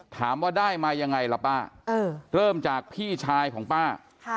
ถามว่าได้มายังไงล่ะป้าเริ่มจากพี่ชายของป้า